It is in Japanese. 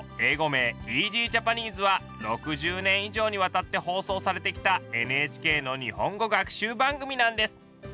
６０年以上にわたって放送されてきたＮＨＫの日本語学習番組なんです。